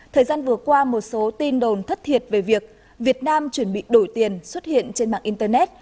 thời gian vừa qua một số tin đồn thất thiệt về việc việt nam chuẩn bị đổi tiền xuất hiện trên mạng internet